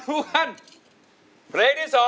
แต่มีชีวิตไหล้